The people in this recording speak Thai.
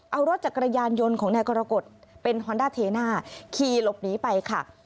เอารถจักรยานยนต์ของนายกรกฎเป็นฮอนด้าเทหน้าขี่หลบหนีไปค่ะ